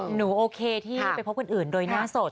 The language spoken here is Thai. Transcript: หนูโอเคที่ไปพบคนอื่นโดยหน้าสด